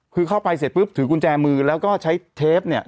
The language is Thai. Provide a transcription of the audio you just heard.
คือเข้าไปเสร็จปุ๊บถือกุญแจมือแล้วก็ใช้เทปเนี่ย